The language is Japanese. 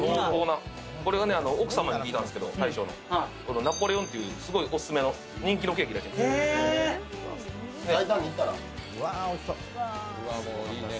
これが大将の奥様に聞いたんですけど、ナポレオンっていうすごいオススメの人気のケーキだそうです。